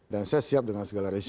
saya siap dengan segala resiko